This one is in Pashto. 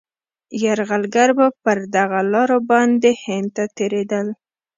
یرغلګر به پر دغه لاره باندي هند ته تېرېدل.